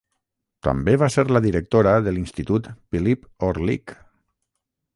També va ser la directora de l'Institut Pylyp Orlyk.